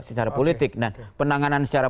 secara politik nah penanganan secara